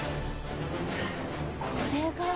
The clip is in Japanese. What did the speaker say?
これが。